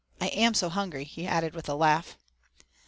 "I am so hungry," he added with a laugh.